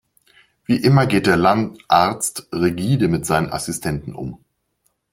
Wie immer geht der Landarzt rigide mit seinen Assistenten um.